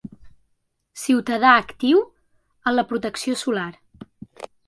Ciutadà actiu en la protecció solar.